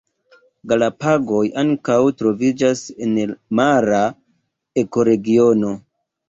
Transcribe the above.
Galapagoj ankaŭ troviĝas en mara ekoregiono.